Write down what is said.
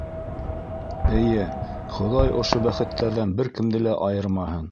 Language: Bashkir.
Эйе, Хоҙай ошо бәхеттәрҙән бер кемде лә айырмаһын.